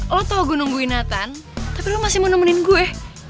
lo tau gue nungguinetan tapi lo masih mau nemenin gue